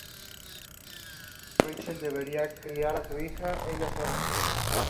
Luego de esa batalla contrajo matrimonio del cual nació la hermosa princesa Zulia.